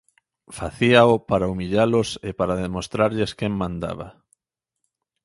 Facíao para humillalos e para demostrarlles quen mandaba.